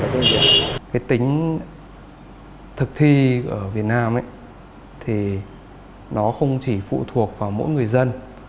cái tính thực thi ở việt nam thì nó không chỉ phụ thuộc vào mỗi người dân